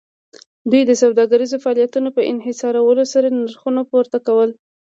دوی د سوداګریزو فعالیتونو په انحصارولو سره نرخونه پورته کول